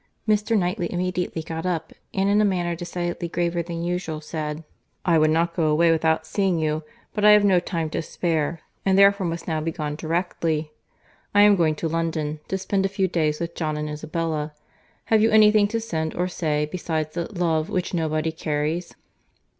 —Mr. Knightley immediately got up, and in a manner decidedly graver than usual, said, "I would not go away without seeing you, but I have no time to spare, and therefore must now be gone directly. I am going to London, to spend a few days with John and Isabella. Have you any thing to send or say, besides the 'love,' which nobody carries?"